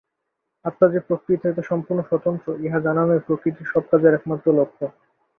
আত্মা যে প্রকৃতি হইতে সম্পূর্ণ স্বতন্ত্র, ইহা জানানোই প্রকৃতির সব কাজের একমাত্র লক্ষ্য।